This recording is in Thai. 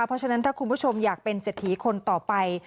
เพราะฉะนั้นถ้าคุณผู้ชมอยากเป็นเศรษฐีคนต่อไป